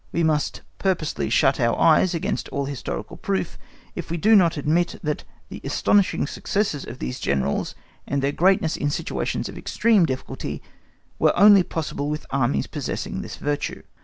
We must purposely shut our eyes against all historical proof, if we do not admit, that the astonishing successes of these Generals and their greatness in situations of extreme difficulty, were only possible with Armies possessing this virtue.